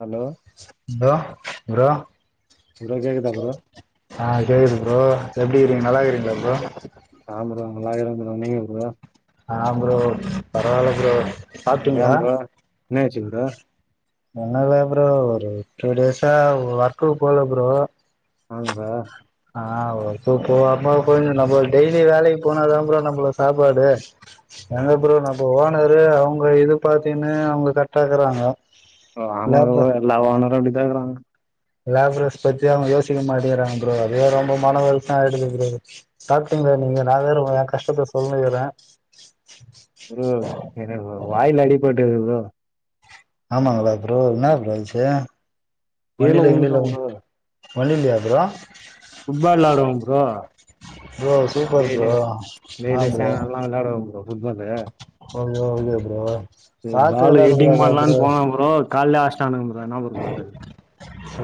Hello bro bro bro கேக்குதா bro ஆ கேக்குதா ப்ரோ எப்டி இருக்றீங்க நல்லா இருக்றீங்களா ப்ரோ சாப்படமால்லா இருந்த வந்தீங்க ப்ரோ ஆ ப்ரோ பரவால்ல ப்ரோ சாப்ட்டீங்களா ஏங்க நீ வச்சிக்கற என்னால ப்ரோ ஒரு டூ டேஸா ஒர்க்குக்கு போல ப்ரோ ஆமா ஆ போவ கொஞ்ச நம்ம டெய்லி வேலைக்கு போனாதா ப்ரோ நம்மள சாப்பாடு எங்க ப்ரோ நம்ம ஓனர்ரு அவுங்க இது பாத்தீனு அவுங்க கரெக்ட்டா இக்குறாங்க ஓ ஆமா ப்ரோ எல்லா ஓனரு அப்டிதா இருக்குறாங்க லேபரஸ் பத்தி அவுங்க யோசிக்க மாட்டங்கறாங்க ப்ரோ அதுவே ரொம்ப மன வருத்தோ ஆய்டுது ப்ரோ சாப்ட்டீங்ளா நீங்க நா வேற ஏ கஷ்டத்த சொல்லுனுகிறே ப்ரோ எனக்கு வாயில அடிபட்டுருக்கு ப்ரோ ஆமாங்களா ப்ரோ என்ன ப்ரோ ஆச்சு கீழ வண்டில உழுந்துட்டே கிண்டில ப்ரோ வுலுந்து ஒன்னில்லையா ப்ரோ ஃபுட்பால் வெளாடுவோ ப்ரோ ப்ரோ சூப்பர் ப்ரோ ஆ ப்ரோ ளாடுவோம்பு bro football okay okay bro ஏ பாத்து பாலு வெளாட எட்டிங் கூடாதா ப்ரோ பண்ணலான்னு போனான் ப்ரோ கால்லே அஸ்டானுங் ப்ரோ என்ன பன்றது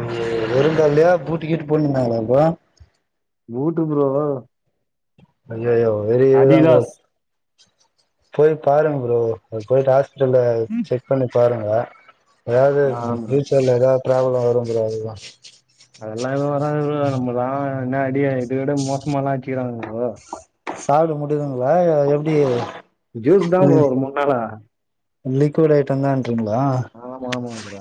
ம் வெருங்கால்லையா பூட்டு கிட்டு போண்ணுந்தாங்களா ப்ரோ பூட்டு ப்ரோ ஐயோ ஐயோ வெளியவே தா ப்ரோ அடிடாஸ் போய் பாருங்க ப்ரோ அது போயிட்டாஷ் இதுல செக் பண்ணி பாருங்க எதாவது ஆ ப்ரோ ஃப்யூச்சர்ல எதாவது ப்ராப்ளோ வரு ப்ரோ அதுதா அதெல்லா எதுவு வராது ப்ரோ நம்மதா என்ன அடி இதுதோட மோசமலா அச்சுகிறாங்க ப்ரோ சாப்ட முடியுதுங்ளா எப்டி ஜூஸ் தா ப்ரோ ஒரு மூணு நாளா லிக்வீட் ஐட்ட தான்றிங்ளா ஆமாம்மா ப்ரோ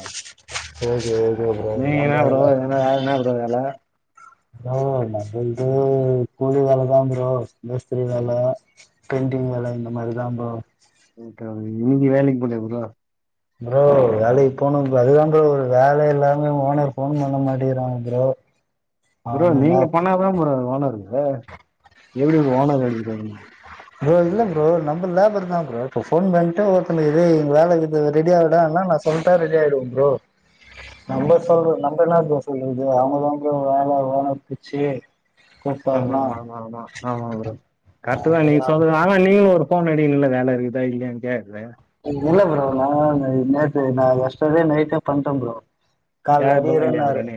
ஓகே ஓகே ப்ர் நீங்கெல்லா ப்ரோ எதுனா வேல இருந்தா குடுங்க வேல ப்ரோ நா வந்து கூலி வேலதா ப்ரோ மேஸ்திரி வேல பெயிண்டிங் வேல இந்த மாரி தா ப்ரோ ஊட்ட நீங்க வேலிக்கு போலயா ப்ரோ ப்ரோ வேலக்கி போணு ப்ரோ அதுதா ப்ரோ ஒரு வேலை இல்லாமே ஓனர் போன் பண்ண மாட்டேங்றாங்க ப்ரோ [inaudible] ப்ரோ அவங்கல்லா நீங்க பண்ணாதா ப்ரோ ஓனருங்க எப்டி ஓனர் எடுத்துங்கோங்க ப்ரோ இல்ல ப்ரோ நம்ம லேபர் தா ப்ரோ இப்ப ஃபோன் பண்ட்டு ஒருத்தனுக்கு இதே வேல இருக்குது ரெடியாடனா சொல்ட்டா ரெடி ஆயிடுவோ ப்ரோ நம்ம சொல்றது நம்ம என்ன ப்ரோ சொல்றது அவுங்கதாங்க வேல வேல புடீச்சே ஆமா ஆமா ஆமா ஆமா ஆமா ப்ரோ கரெக்ட் தா நீ சொல்றது ஆனா நீங்களு ஒரு ஃபோன் அடிக்குணுனு இல்ல வேல இருக்குதா இல்லையான்ட்னு கேட்றே இ இல்ல ப்ரோ நா நேத்து நா எஷ்டர்டே நைட்டே பண்டே ப்ரோ கால்ல கேக்குறதெல்லா இல்லையா அடிக்கரன்னாரு ப்ரோ நீ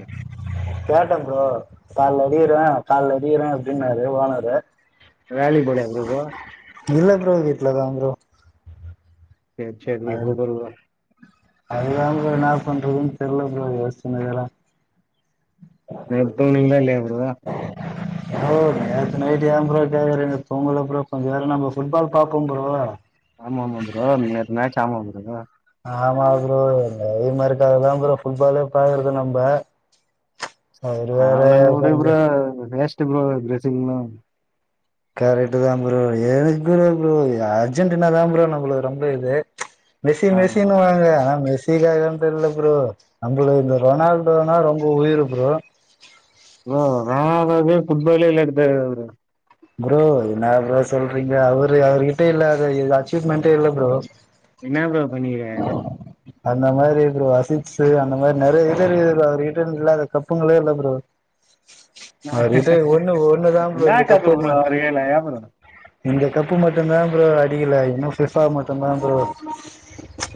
கேட்டேன் ப்ரோ கால்ல அடிக்கறன் கால்ல அடிக்கறன் அப்டின்னாரு ஓனரு வேலைக்கு போலயா ப்ரோ இப்போ இல்ல ப்ரோ விட்ல தா ப்ரோ சேர் செரி அது [unintelligible] அதுதா ப்ரோ என்னா பண்றதுன்னு தெரியல ப்ரோ யோசுச்சுனுகிரெ நேத் தூங்னீங்களா இல்லயா ப்ரதர் [unintelligible] ப்ரோ நேத்து நைட் ஏ ப்ரோ கேக்கறீங்க தூங்கல ப்ரோ கொஞ்ச நேற நம்ம ஃபுட்பால் பாப்போம் ப்ரோ ஆமா ப்ரோ நேத்து மேட்ச் ஆடுனாங்களா ஆமா ப்ரோ அத மாதிரக்காதா ப்ரோம் ஃபுட்பாலே பாக்குறது நம்ம அவன உடு கொஞ்ச ப்ரோ வேஷ்டு ப்ரோ டிரெஸிங்னு கரட்டு் தான் ப்ரோ எதுக்கு அர்ஜென்டினா தாம்ப்ரோ நம்மளுக்கு ரொம்ப இது மெஸ்ஸி மெஸ்ஸி வாராங்க ஆனா மெஸ் இல்ல ப்ரோ நம்மள இந்த ரொனால்டோனா ரொம்ப உயிர் ப்ரோ ப்ரோ ரெனால்ட் இல்லன்னா புட்பாலே இல்ல ப்ரோ என்ன ப்ரோ அவரு அவர்கிட்ட இல்லாத இதுவா [unintelligible] இல்ல ப்ரோ என்ன ப்ரோ பண்ணிருக்காரு அந்த மாதிரி ப்ரோ ஆசிட்ஸு அந்த மாதிரி நறைய [unintelligible] அவங்க கிட்ட இல்லாத கப்புங்களே இல்ல ப்ரோ அவர் கிட்ட ஒண்ணு ஒண்ணுதான் ப்ரோ அ கப்பு ம ஏல்லாயாரு [unintelligible] இந்த கப்பு மட்டும்தான் ப்ரோ அடிக்கல இன்னும் பிஃபா மட்டும்தா ப்ரோ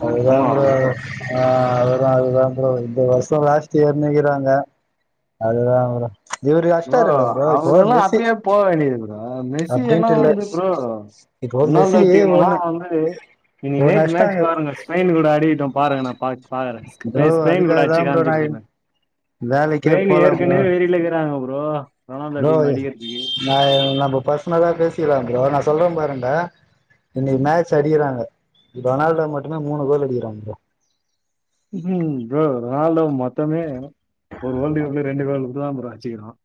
அதுதா ப்ரோ ஆ அதுதான் அதுதான் ப்ரோ இந்த வருஷம் லாஸ்ட் இயர்னேங்கறாங்க அதுதா ப்ரோ இவர் அஷ்டர்ல்ல ப்ரோ இப்போ மெஸ்ஸி போக வேண்டியது ப்ரோ மெஸ்ஸி என்ன அப்டின்ட்டு இல்ல வந்து ப்ரோ இப்போ இன்ன உள்ள மெஸ்ஸி டீம் ஒண்ணு எல்லாம் வந்து இனி ஒண்ணு நைட் மேட்ச் அஷ்டாங்க பாருங்க ஸ்பயின் கூட அடிக்கட்டோம் பாருங்க நா ப்ரோ பாக்றேன் ஸ்பயின் கூட அதுக்காக தா அச்சு ப்ரோ காமிக்க நா சொல்லுங்க வேலைக்கே வெயின் போல ப்ரோ ஏற்கனவே வெறியிலக்கறாங்க ப்ரோ ரொனால்ன்டோ டீம அடிக்கறதுக்கு நான் நம்ம பர்சனலா பேசிக்கலாம் பரோ நா சொல்றேன் பாருங்க இன்னைக்கு மேட்ச் அடிக்கறாங்க ரொனால்டோ மட்டுமே மூணு கோல் அடிக்கறாங்க ம் ப்ரோ ரோனால்டு மொத்தமே ஒரு வேல் கப்ல ரெண்டு கோல் தான் அச்சிக்கறான்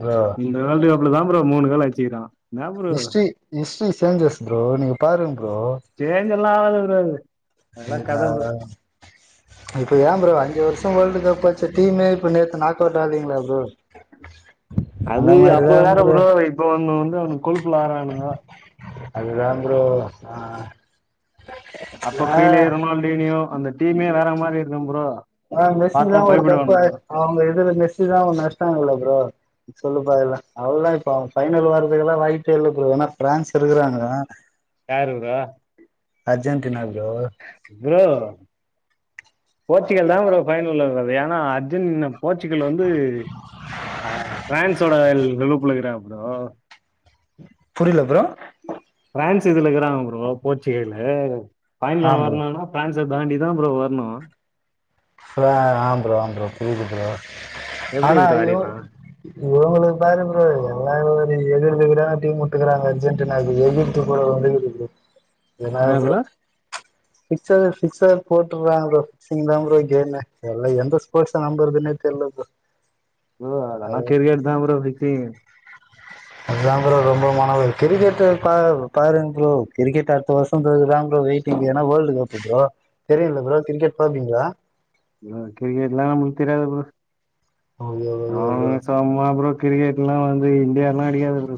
ப்ரோ இந்த வேர்ல்டடு கப்ல தா ப்ரோ மூணு கோல் அச்சிக்கக்கறான் ஹிஸ்ட்ரி ஹிஸ்ட்ரி சேஞ்சஸ் ப்ரோ நீங்க பாருங்க ப்ரோ சேஞ்ச எல்லாம் ஆகாது ப்ரோ அதெல்லா இங்க கத ப்ரோ [unintelligible] இப்ப ஏன் ப்ரோ அஞ்சு வருஷம் வேர்ல்டு கப் வச்ச டீமே இப்ப நேத்த நாக் அவுட் ஆலீங்களா ப்ரோ அது அந்த மாரிதா அப்ப வேற ப்ரோ இப்ப ஓன்னு வந்து அவனுக கொழுப்புல ஆட்ரானுங்க அதுதான் ப்ரோ அ அப்போ பிள்ள ரொனால்டோனியோ அந்த டீமே வேற மாதிரி இருக்கும் ப்ரோ ஆ பாத்தா மெஸ்ஸிதா ஒரு கப்பு பயப்படுவானுங்க அவங்க இதுல மெஸ்ஸிதா அஷ்டாங்கல்ல ப்ரோ சொல்லு பா எல்லா அவளல்லாம் இப்ப பைனல் வருதுக்குல்லாம் வயிப்பே இல்ல ப்ரோ ஏன்னா பிரான்ஸ் இருக்கறாங்க யாரு bro Argentina bro bro Portugal தா ப்ரோ ஃபயனள்ள வருது ஏன்னா அர்ஜுன் ன்ன போர்ச்சுக்கல் வந்து அ ஃபிரான்ஸோட லூப்புள்ளகிறா ப்ரோ புரியில ப்ரோ ஃபிரான்ஸ் இதுல இக்குறாங்க ப்ரோ போர்ச்சுகல்லு பைனல ஆ ப்ரோ வரனுனா ஃப்ரான்ஸ தாண்டி தா ப்ரோ வர்ணு ஆ ஆம்ப்ரோ ஆம்பப்ரோ புரியது ப்ரோ எப்படி ஆனா ப்ரோ ஐயோ ஆடிடலாம் இவுங்களுக்கு பாரு ப்ரோ எல்லாரு எதிரெதிரா டீம் வுட்டுகுறாங்க அர்ஜென்டினா [unintelligible] [unintelligible] என்னா ப்ரோ சிக்சர் சிக்சர் போட்டுறாங்க ப்ரோ [unintelligible] ல்ல எந்த ஸ்போட்ஸ நம்பறதுன்னு தெர்ல ப்ரோ ப்ரோ அதெல்லா அது கிரிக்கெட் தா ப்ரோ ஃபிக்ஸிங்கு அதா ப்ரோ ரொம்ப மனவருத் கிரிக்கெட் பா பாருங் ப்ரோ கிரிக்கெட் அடுத்த வருஷம் தா ப்ரோ வெயிட்டிங் ஏன்னா வேர்ல்ட் கப் பு ப்ரோ தெரியில ப்ரோ கிரிக்கெட் பாப்பீங்களா ப்ரோ கிரிக்கெட்லா நம்மளுக்கு தெரியாது ப்ரோ ஐயோ ஐயோ அவ ப்ரோ சொம்மா ப்ரோ கிரிக்கெட் எல்லா வந்து இந்தியால்லா அடிக்காது ப்ரோ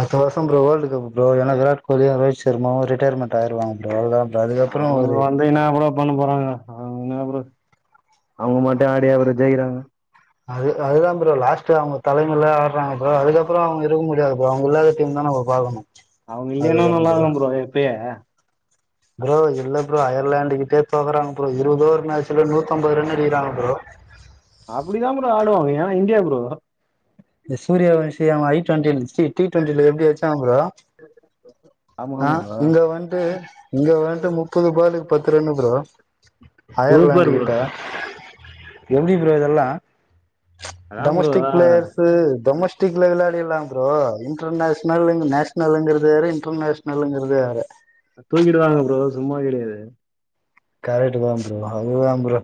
அத்த வருஷம் ப்ரோ வேர்ல்ட் கப் ப்ரோ ஏன்னா விராட் கோலியு ரோஹித் சர்மாவு ரிட்டையர்மெண்ட் ஆயிருவாங்க ப்ரோ அதா அ அதுக்கப்புறம் ஒரு அத என்னா பரோ பண்ண போறாங்க அவுங்க என்ன அப்புறம் அவுங்க மட்டு ஆடிய அப்புறம் ஜெயிக்கிறாங்க அது அதுதா ப்ரோ லாஸ்ட் அவுங்க தலைமைல அப்புறோ ப்ரோ அதுக்கப்புறம் அவுங்க இருக்க முடியாது ப்ரோ அவுங்க இல்லாத டீம் தா நம்ப பாக்கணு அதுதா ப்ரோ போ இப்பயே ப்ரோ இல்ல ப்ரோ அயர்லாந்து கிட்டே தோக்கறாங்க ப்ரோ இருபது ஓவர் மேட்சல நூத்தம்பது ரன் அடிக்கிறாங்க ப்ரோ அப்புடிதா ப்ரோ ஆடுவாங்க ஏன்னா இந்தியா ப்ரோ இந்த சூர்யவன்ஷி அவ ஐ டொன்ட்டி இல்ல டீ டொண்டில எப்டி அச்சா ப்ரோ ஆமா ஆ ஆமா ப்ரோ இங்க வந்ட்டு இங்க வந்ட்டு முப்பது பாலுக்கு பத்து run bro Ireland super bro கிட்ட எப்டி ப்ரோ இதெல்லா அதாங் ப்ரோ டொமெஸ்டிக்ல வெளாடில்லா ப்ரோ இன்டர் நேஷ்னல் நேஷ்னல் ஷனலுங்கிறது வேற இன்டர்நேஷ்னலுங்கிறது வேற தூக்கிடுவாங்க ப்ரோ சும்மா கெடையாது கரெட்டு தா ப்ரோ அது தா ப்ரோ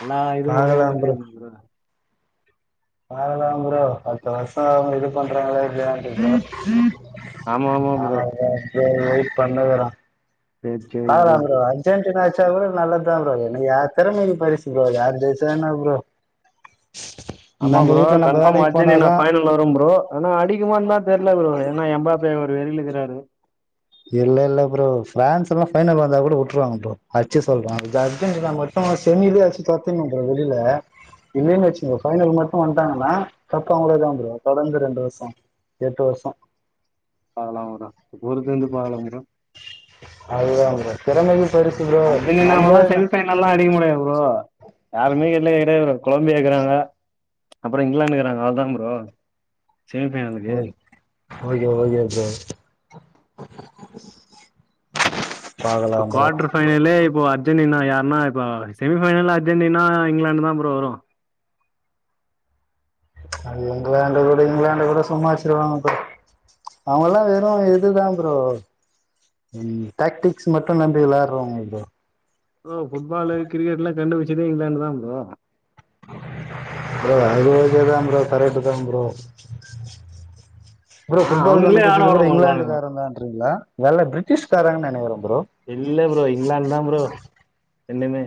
எல்லா இதுவு ஒரே பாக்கலா மாதிரி வரலாம் ப்ரோ பத்து வருஷம் அவுங்க இது பண்றாங்களா இப்ப ஆமா ஆமா ப்ரோ [unintelligible] சேரி [unintelligible] சேரி பாகலாம் ப்ரோ அர்ஜென்டினா ச்சா கூட நல்லத் தா ப்ரோ எனக்கு திறமைக்கு பரிசு போது யாரு ஜெயிச்சா என்ன ப்ரோ ஆமா நம்ம ப்ரோ வீட்ல நம்ம கன்ஃபார்ம் வேலைக்கு அர்ஜென்டினா போனாதா ஃபைனல் வரும் ப்ரோ ஆனா அடிக்குமான் தா தெர்ல ப்ரோ ஏன்னா எம்பாப்பர் ஒரு வெறில இருக்கிறாரு இல்ல இல்ல ப்ரோ ஃபிரான்ஸ் எல்லா ஃபைனல் வந்தா கூட வுட்டுருவாங்க ப்ரோ அச்சு சொல்றேன் அ அந்த அர்ஜென்டினா மட்டு செமிலேயே அச்சு தொரத்திணு ப்ரோ வெளில இல்லலைன்னு வச்சுங்க ஃபைனல் மட்டும் வந்துட்டாங்கன்னா கப்பு அவுங்களுக்கு தா ப்ரோ தொடர்ந்து ரெண்டு வருஷொ எட்டு வருஷொ பாக்கலா ப்ரோ பொருத்து இருந்து பாக்கலா ப்ரோ அது அவுங்க திறமயி அர்ஜன்டினாவாலா செமி ஃபைனல்லா அடிக்க முடியா ப்ரோ யாருமே கெட்ல கிடையா ப்ரோ கொலம்பியா இருக்கறாங்க அப்பறோ இங்கிலாந்துக்றாங்க அவ்ளோ தா ப்ரோ செமி ஃபைனல்க்கு ஓக்கே ஓக்கே ப்ரோ இப்ப கோட்ரு ஃபைனல்லே இப்போ அர்ஜென்டினா யார்ன்னா இப்போ செமி ஃபைனல்ல அர்ஜென்டினா இங்லேண்டு தா ப்ரோ வரு அது இங்கலாண்ட கூட இங்லாண்டு கூட சும்மா அட்ச்சுருவாங்க ப்ரோ அவங்கல்லா வெறு இதுதா ப்ரோ ம் டாக்டிக்ஸ் மட்டு நம்பி விளையாட்றவங்க ப்ரோ ம் ஃபுட் பாலு கிரிக்கெட்ல்லா கண்டு புச்சதே இங்லேண்டு தா ப்ரோ ப்ரோ அது ஓக்கே தா ப்ரோ கரட்டு தா ப்ரோ ப்ரோ ஆ ஃபுட்பால் அவனுங்களே ஆட கண்டுபிச்சது விட கூட மாட்றானுங்க இங்லேண்டுக்காரன் தான்ங்றீங்ளா வெள்ள பிரிட்டிஷ்காரங்க நெனைக்கிறே ப்ரோ இல்ல ப்ரோ இங்லேண்ட் தா ப்ரோ ரெண்டுமே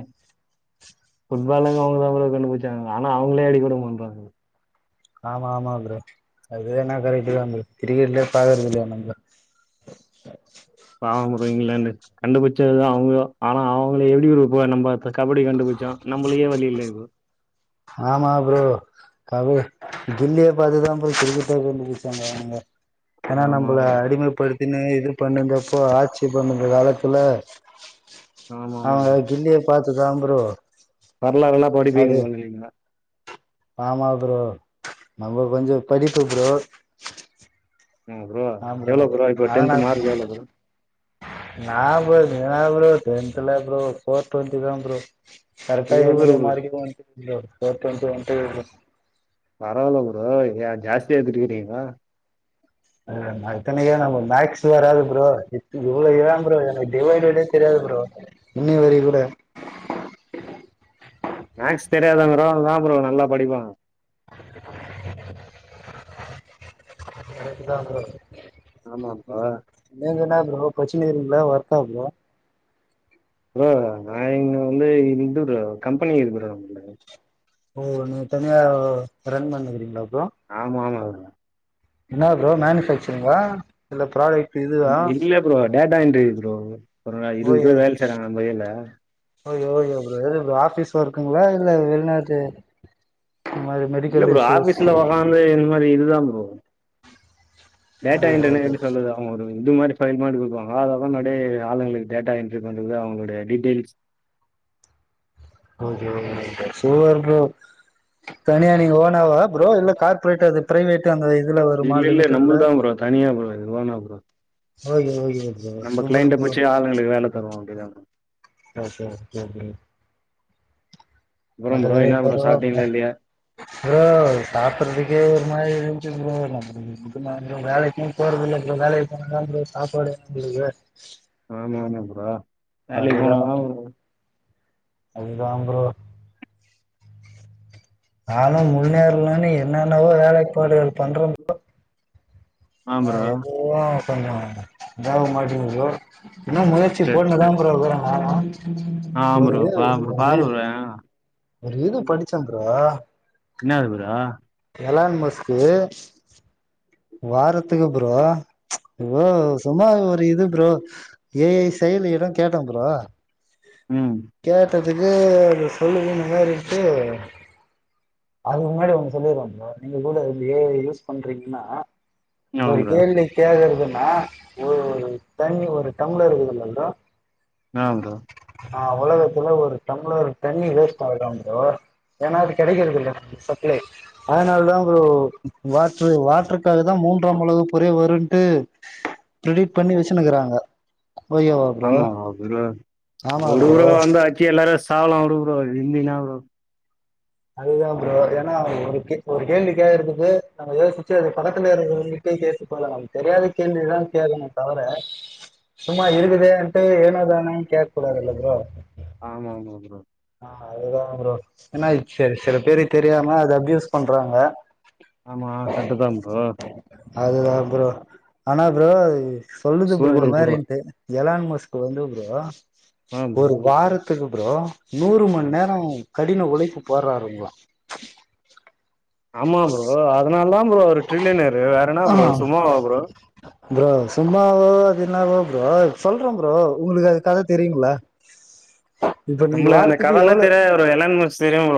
ஃபுட்பாலுங்க அவுங்க தா ப்ரோ கண்டுபுட்ச்சாங்க ஆனா அவுங்களே அடிக்க விட மாட்றாங்க ஆமாமா ப்ரோ அதுவேனா கரெக்ட்டு தா கிரிக்கெட்லயே பாக்றது இல்லையா நம்ப பாவம் ப்ரோ இங்லேண்டு கண்டுபுச்சது அவுங்க ஆனா அவுங்கள எப்டி ப்ரோ ஒரு நம்ப இப்ப கபடி கண்டுபுட்ச்சோ நம்மளுக்கே வழி இல்ல இப ஆமா ப்ரோ கப கில்லிய பாத்துதா ப்ரோ கிரிக்கெட்டே கண்டுபுட்ச்சாங்க அவுங்க ஏனா ஆமா நம்மள ஆமா அடிமைப்படுத்தினு இது பண்ணிந்தப்போ ஆட்சி பண்ணுந்த காலத்துல ஆமா ஆமா அவுங்க ப்ரோ கில்லிய பாத்து தா ப்ரோ வரலாறுல்லா படிப்பீங்க அது போல நீங்க ஆமா ப்ரோ நம்ம கொஞ்சோ படிப்பு ப்ரோ ஆ ப்ரோ எவளோ ப்ரோ இப்ப ஆனா டென்த் நா மார்க் எவளோ ப்ரோ நா ப்ரோ எனா ப்ரோ டென்தல ப்ரோ ஃபோர் டொன்டி தா ப்ரோ கரெட்டா சூப்பர் எழுத ப்ரோ மார்கே வந்தருச்சு ப்ரோ ஃபோர் டொண்டி [unintelligible] பரவால ப்ரோ இது ஜாஸ்தி யா எட்த்துருக்கீங்க அ நா இத்தனைக்கு நம்ம மேக்ஸ் வராது ப்ரோ இவ்ளோ ஏ ப்ரோ எனக்கு டிவைடடே தெரியாது ப்ரோ இன்னி வரை கூட மேக்ஸ் தெரியாதங்றதனால் தா ப்ரோ நல்லா படிப்பாங்க கரெக்ட் தா ப்ரோ ஆமாப்பா நீங்க என்னா ப்ரோ படிச்சினுருக்கிங்ளா ஒர்க் ஆ ப்ரோ ப்ரோ நா இங்க வந்து இது ப்ரோ கம்பெனி இருக்கு ப்ரோ நம்கிட்ட ஓ நீங்க தனியா ரன் பண்ணிக்றீங்ளா ப்ரோ ஆமாமா ப்ரோ என்ன ப்ரோ மேனுஃபேக்சரிங்கா இல்ல ப்ராடக்ட் இதுவா ம், இல்ல ப்ரோ டேட்டா என்ட்ரி ப்ரோ ஒரு இருபது ஓயோ பேர் வேல் செய்றாங்க நம்ம. இதுல ஓகே ஓகே ப்ரோ எது ஆஃபீஸ் ஒர்க்குங்ளா இல்ல வெள்நாட்டு மாரி மெடிக்கல் இசூஸ் ஏ இந்த மாரி இதுதா ப்ரோ டேட்டா ஓகே என்ட்ரினா ஓகே எப்டி சொல்றது அவுங்க ஒரு இது மாரி ஃபைல் மாரி குடுப்பாங்க அத ஒக்காந்து அடே ஆளுங்களுக்கு டேட்டா என்ட்ரி பண்றது அவுங்களுடைய details okay okay bro super bro தனியா நீங்க ஓனாவா ப்ரோ இல்ல கார்பிரேட்டு அது பிரைவேட்டு அந்த இதுல வருமா லிமிட்டட்ல தா ப்ரோ தனியா ப்ரோ இது ஓனா ப்ரோ ஓகே ஓகே ப்ரோ நம்ப சூப்பர் கிளைண்ட புட்ச்சு ஆளுங்களுக்கு வேல தருவோ அப்டிதான எஸ் சார் [unintelligible] அப்றோ ப்ரோ மத்தபடி என்ன ப்ரோ சாப்ட்டீங்களா [unintelligible] இல்லையா ப்ரோ சாப்புட்றதுக்கே ஒரு மாரி இருந்ச்சு ப்ரோ நம்பி இன்னைக்கு நா எங்கயு வேலைக்கு போறதில்ல ப்ரோ வேலைக்கு போன தா ப்ரோ சாப்பாடே நம்பளுக்கு ஆமா ஆமா ப்ரோ அது வேலைக்கு எதா போனாதா ஒன்னு ப்ரோ அது தா ப்ரோ நானு முன்னேறலான்னு என்னென்னவோ வேலைப்பாடுகள் பண்ற ப்ரோ ஆ ஆனா ப்ரோ எதுவு கொஞ்ச இதாக மாட்டிங்குது ப்ரோ இன்னு முயற்சி செரி போட்னுதா ப்ரோ இருக்குறே நானு ஆ ஒரு ப்ரோ இது பா ப்ரோ ஒரு இது பாரு ப்ரோ ஆ ஒரு இது படிச்சே ப்ரோ என்னாது ப்ரோ எளான் மஸ்க்கு வாரத் துக்கு ப்ரோ எதோ சும்மா ஒரு இது ப்ரோ ஏ ஐ செயல் இடங் கேட்டே ப்ரோ ம் கேட்டதுக்கு அத சொல்லுவோ இந்த மாரின்ட்டு அதுக்கு முன்னாடி அவ்ங்க சொல்லிருவாங்க ப்ரோ நீங்க கூட இந்த ஏ ஐ யூஸ் பண்றீங்கனா ஆமா ஒரு ப்ரோ கேள்வி கேக்கற்துனா ஒரு ஒரு தண்ணி ஒரு டம்ளர் இருக்குதுல ப்ரோ ஆ ப்ரோ ஆ உலகத்துல ஒரு டம்ளரு தண்ணி வேஸ்ட் ஆகுதா ப்ரோ ஏனா அது கெடைக்கறதில்ல சப்ளை அதனால்தா ப்ரோ வாட்ரு வாட்ருக்காக தா மூன் றாம் உலகப் போரே வருன்ட்டு பிரெடிட் பண்ணி வச்சுன்னுக்கிறாங்க ஓகே வா ப்ரோ உடு ப்ரோ வந்து அட்ச்சி எல்லாரு சாவலா உடு ப்ரோ இருந்தி இன்னாவ ப்ரோ அதுதா ப்ரோ ஏனா ஒருக் கே ஒரு கேள்வி கேக்கறத்துக்கு நம்ம யோசிச்சு அது பக்கதுல இருக்கறவங்கிட்டே கேட்டு கொள்ளலாம் தெரியாத கேள்விதா கேக்கனுமே தவர சும்மா இருக்குதேன்ட்டு ஏனோதானோன் கேக்க கூடாதுல்ல ப்ரோ ஆமாம்மா ப்ரோ ஆ அதுதா ப்ரோ ஏனா சேரி செல பேரு தெரியாம அத அப்யூஸ் பண்றாங்க ஆமா கர்ட்டுதா ப்ரோ அதுதா ப்ரோ ஆனா ப்ரோ சொல்லுது ப்ரோ இந்த மாரின்ட்டு எலான் மஸ்க்கு வந்து ப்ரோ ஆ ஒரு ப்ரோ வாரத்துக்கு ப்ரோ நூறு மண் நேர் ரோ கடின உழைப்பு போட்றாருங்ளா ஆமா ப்ரோ அதனால தா ப்ரோ அவரு ட்ரில்லினர்ரு வேற என்னா ப்ரோ சும்மாவா ப்ரோ ப்ரோ சும்மா அத பாத்தீனாக்க ப்ரோ சொல்றே ப்ரோ உங்களுக்கு அது கத தெரியுங்களா இப்ப நீங்க வாரத்துக்கு எவ்ளோ இப்ப எலன் மஸ்க் தெரியு ப்ரோ